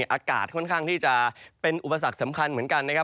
อากาศค่อนข้างที่จะเป็นอุปสรรคสำคัญเหมือนกันนะครับ